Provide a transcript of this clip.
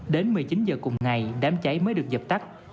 đến một mươi chín h cùng ngày đám cháy mới được dập tắt